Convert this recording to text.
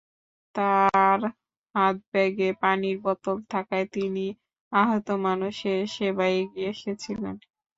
তাঁর হাতব্যাগে পানির বোতল থাকায় তিনি আহত মানুষের সেবার এগিয়ে এসেছিলেন।